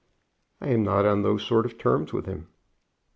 "I am not on those sort of terms with him."